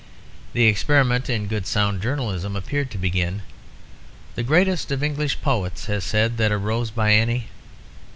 The experiment in good sound journalism appeared to begin "The greatest of English poets has said that a rose by any